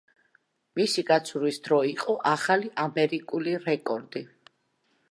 მისი გაცურვის დრო იყო ახალი ამერიკული რეკორდი.